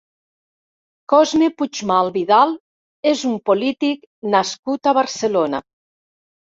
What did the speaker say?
Cosme Puigmal Vidal és un polític nascut a Barcelona.